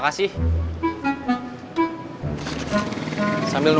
terus aku mau pergi ke rumah